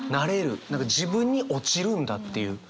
何か自分に落ちるんだっていう。